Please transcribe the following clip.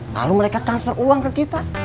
lalu mereka transfer uang ke kita